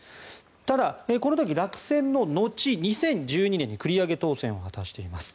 ただ、この時落選の後２０１２年に繰り上げ当選を果たしています。